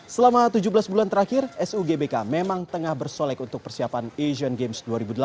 selama tujuh belas bulan terakhir sugbk memang tengah bersolek untuk persiapan asian games dua ribu delapan belas